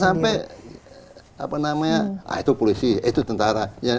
jangan sampai apa namanya itu polisi itu tentara